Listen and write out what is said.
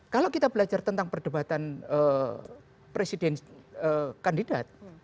kalau kita belajar tentang perdebatan presiden kandidat